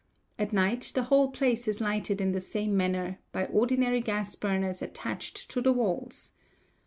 At night the whole place is lighted in the same manner, by ordinary gas burners attached to the walls.